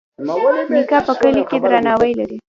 نیکه په کلي کې درناوی لري.